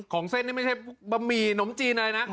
ของเส้นนี่ไม่ใช่พวกบะหมี่หนมจีนอะไรนะ